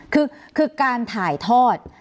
คือการถ่ายทอด